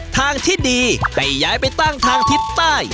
ทางที่ดีให้ย้ายไปตั้งทางทิศใต้